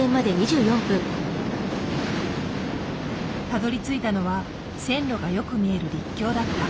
たどりついたのは線路がよく見える陸橋だった。